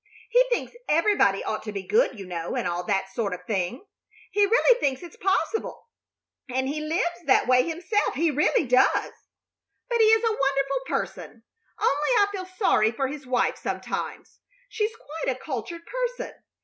He thinks everybody ought to be good, you know, and all that sort of thing. He really thinks it's possible, and he lives that way himself. He really does. But he is a wonderful person; only I feel sorry for his wife sometimes. She's quite a cultured person.